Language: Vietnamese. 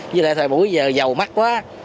với lại thời buổi giờ giàu mắc quá